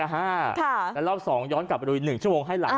แล้วรอบ๒ย้อนกลับไปดูอีก๑ชั่วโมงให้หลัง